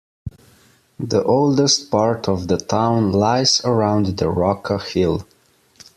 The oldest part of the town lies around the Rocca hill.